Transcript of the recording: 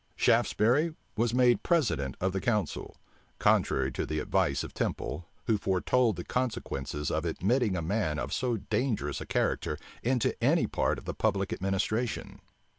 Shaftesbury was made president of the council; contrary to the advice of Temple, who foretold the consequences of admitting a man of so dangerous a character into any part of the public administration.